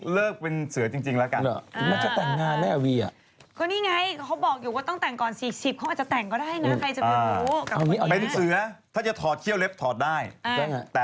เดี๋ยวลายยังอยู่ไหม